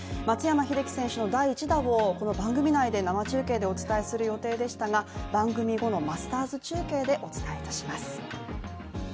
松山英樹選手の第１打をこの番組内で生中継でお伝えする予定でしたが番組後のマスターズ中継でお伝えいたします。